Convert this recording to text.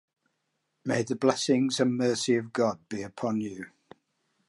May the blessings and mercy of God be upon you.